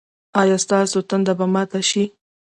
ایا ستاسو تنده به ماته شي؟